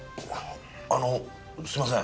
あのすいません